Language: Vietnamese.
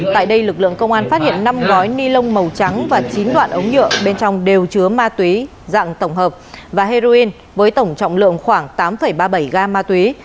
tại đây lực lượng công an phát hiện năm gói ni lông màu trắng và chín đoạn ống nhựa bên trong đều chứa ma túy dạng tổng hợp và heroin với tổng trọng lượng khoảng tám ba mươi bảy gam ma túy